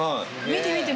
見て見て。